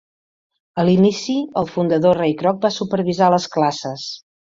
A l'inici, el fundador Ray Kroc va supervisar les classes.